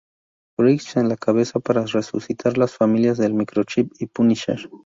Bridge en la cabeza para resucitar a las familias de Microchip y Punisher.